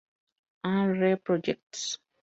And R. Projects"